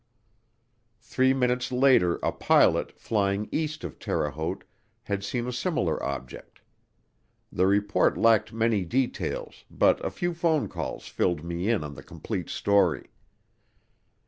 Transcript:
Three minutes later a pilot, flying east of Terre Haute, had seen a similar object. The report lacked many details but a few phone calls filled me in on the complete story.